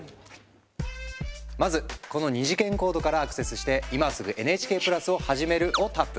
まずこの二次元コードからアクセスして「今すぐＮＨＫプラスをはじめる」をタップ。